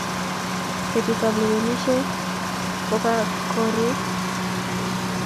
Betut ab Lewenishet ko kakoriik